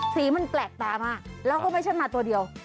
สีมันแปลกตามากแล้วก็ไม่ใช่มาตัวเดียว